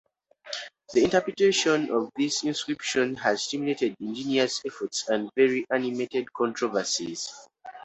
The interpretation of this inscription has stimulated ingenious efforts and very animated controversies.